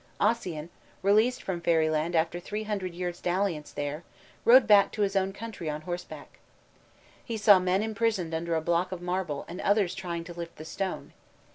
Ossian, released from fairyland after three hundred years dalliance there, rode back to his own country on horseback. He saw men imprisoned under a block of marble and others trying to lift the stone.